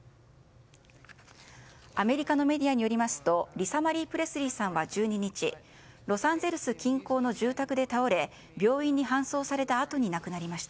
アメリカのメディアによりますとリサ・マリー・プレスリーさんは１２日ロサンゼルス近郊の住宅で倒れ病院に搬送されたあとに亡くなりました。